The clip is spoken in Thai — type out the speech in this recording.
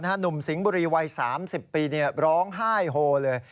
หนุ่มสิงห์บุรีวัย๓๐ปีร้องไห้โฮเลย